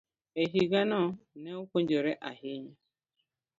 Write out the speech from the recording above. e higano, ne opuonjore ahinya.